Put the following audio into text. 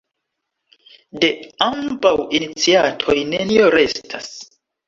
De ambaŭ iniciatoj nenio restas.